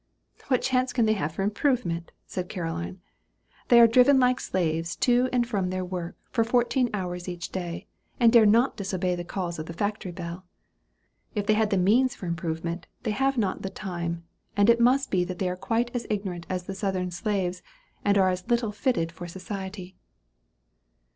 "What chance can they have for improvement?" said Caroline: "they are driven like slaves to and from their work, for fourteen hours in each day, and dare not disobey the calls of the factory bell. If they had the means for improvement, they have not the time; and it must be that they are quite as ignorant as the southern slaves, and as little fitted for society."